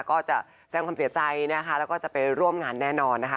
ก็จะแสงความเสียใจนะคะแล้วก็จะไปร่วมงานแน่นอนนะคะ